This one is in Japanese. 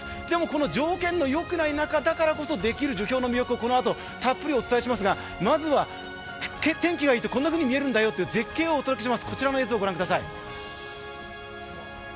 でも、この条件のよくない中だからこそできる樹氷の魅力をこのあとたっぷりお届けしますがまずは天気がいいとこんなふうに見えるんだよという絶景、こちらの映像を御覧ください。